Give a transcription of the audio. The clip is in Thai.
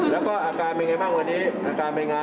แล้วก็อาการเป็นไงบ้างวันนี้อาการเป็นไง